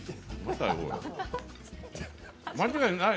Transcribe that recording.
間違いない？